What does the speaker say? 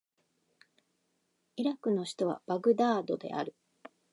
イラクの首都はバグダードである